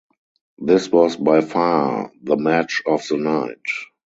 This was by far the match of the night.